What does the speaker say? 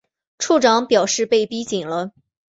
处长表示被逼紧了